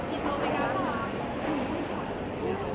ขอบคุณทุกคนมากครับที่ทุกคนรัก